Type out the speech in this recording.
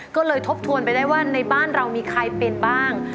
ก็เลยทบทวนไปได้ว่าในบ้านเรามีใครเป็นบ้าง